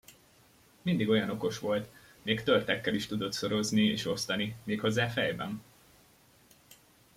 Mindig olyan okos volt, még törtekkel is tudott szorozni és osztani, méghozzá fejben!